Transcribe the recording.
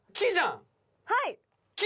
はい。